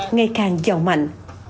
ngày càng giàu mạnh